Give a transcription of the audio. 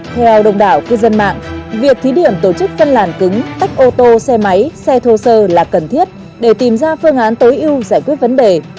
theo đồng đảo cư dân mạng việc thí điểm tổ chức phân làn cứng tách ô tô xe máy xe thô sơ là cần thiết để tìm ra phương án tối ưu giải quyết vấn đề